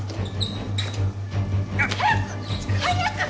早く！早く！